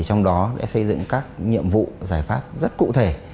trong đó sẽ xây dựng các nhiệm vụ giải pháp rất cụ thể